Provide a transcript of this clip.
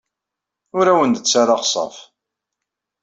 Ur awen-d-ttarraɣ ṣṣerf.